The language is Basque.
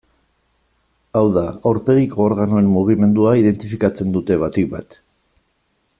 Hau da, aurpegiko organoen mugimendua identifikatzen dute batik bat.